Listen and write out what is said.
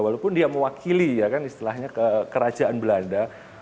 walaupun dia mewakili ya kan istilahnya kerajaan belanda